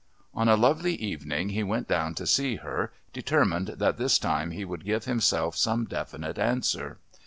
On a lovely evening he went down to see her, determined that this time he would give himself some definite answer.